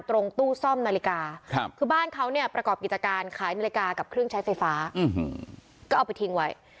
ตรงตู้ซ่อมนาฬิกาคือบ้านเขาเนี่ยประกอบกิจการขายนาฬิกากับเครื่องใช้ไฟฟ้าก็เอาไปทิ้งไว้